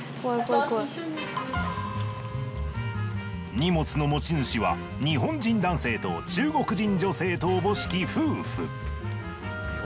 荷物の持ち主は日本人男性と中国人女性とおぼしき夫婦。